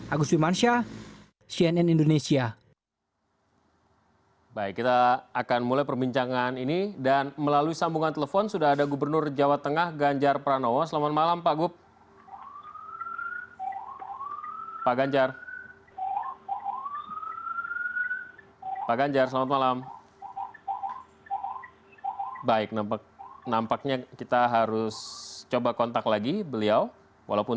agus wimansyah cnn indonesia